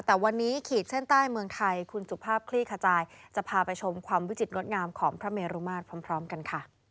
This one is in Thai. แต่วันนี้ขีดเส้นใต้เมืองไทยคุณสุภาพคลี่ขจายจะพาไปชมความวิจิตรงดงามของพระเมรุมาตรพร้อมกันค่ะ